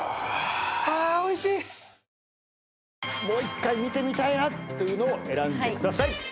「もう一回見てみたいな」っていうのを選んでください。